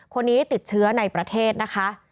คนนี้ติดเชื้อในประเทศนะคะ